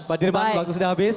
pak dirman waktu sudah habis